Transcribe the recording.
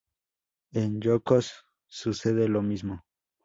En Ilocos sucede lo mismo.